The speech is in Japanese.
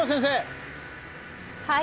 はい。